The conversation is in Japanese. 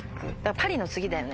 パリの次だよね。